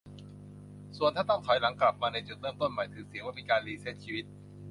ส่วนถ้าต้องถอยหลังกลับมาในจุดเริ่มใหม่ก็ถือเสียว่าเป็นการรีเซตชีวิต